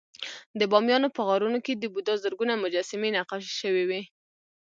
د بامیانو په غارونو کې د بودا زرګونه مجسمې نقاشي شوې وې